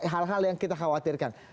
hal hal yang kita khawatirkan